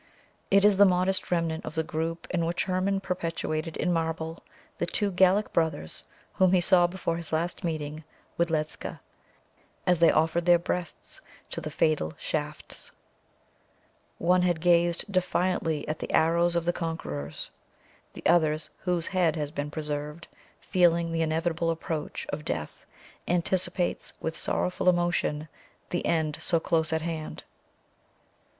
It is the modest remnant of the group in which Hermon perpetuated in marble the two Gallic brothers whom he saw before his last meeting with Ledscha, as they offered their breasts to the fatal shafts. One had gazed defiantly at the arrows of the conquerors; the other, whose head has been preserved, feeling the inevitable approach of death, anticipates, with sorrowful emotion, the end so close at hand.